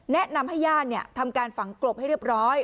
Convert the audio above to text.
แนะนำให้ญาติทำการฝังกลบให้เรียบร้อย